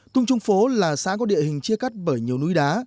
tung trung phố là xã có địa hình chia cắt bởi nhiều núi đá